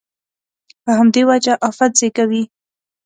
په همدې وجه افت زېږوي.